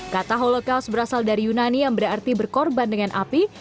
kata holocaust berasal dari yunani yang berarti berkorban dengan api